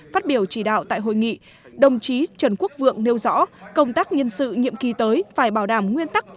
phát biểu chỉ đạo tại hội nghị đồng chí trần quốc vượng nêu rõ công tác nhân sự nhiệm kỳ tới phải bảo đảm nguyên tắc